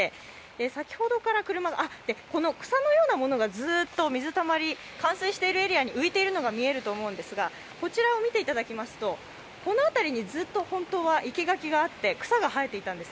先ほどから車が草のようなものが、水たまり、冠水しているエリアに浮いているのが見えると思うんですがこの辺りにずっと、本当は生け垣があって草が生えていたんです。